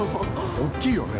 おっきいよね。